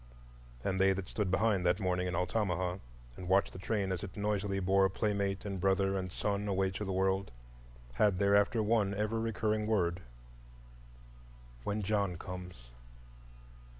And they that stood behind, that morning in Altamaha, and watched the train as it noisily bore playmate and brother and son away to the world, had thereafter one ever recurring word,—"When John comes."